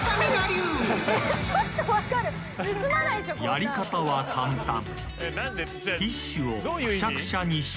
［やり方は簡単］